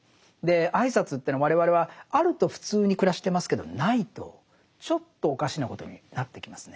挨拶っていうのは我々はあると普通に暮らしてますけどないとちょっとおかしなことになってきますね。